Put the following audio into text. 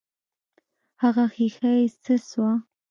هغه ښيښه يې څه سوه.